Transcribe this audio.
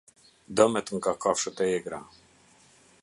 Dëmet nga kafshët e egra.